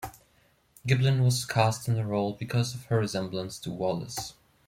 Giblin was cast in the role because of her resemblance to Wallace.